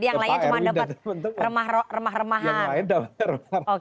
diserasan semua ke pak erwin dan teman teman